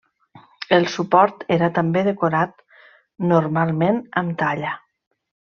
El suport era també decorat, normalment amb talla.